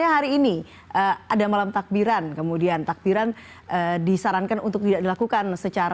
bagaimana kemudian memastikan